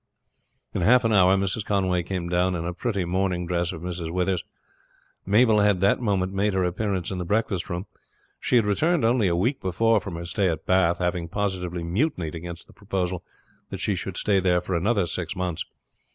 In half an hour Mrs. Conway came down in a pretty morning dress of Mrs. Withers'. Mabel had that moment made her appearance in the breakfast room. She had returned only a week before from her stay at Bath, having positively mutinied against the proposal that she should stay there for another six months.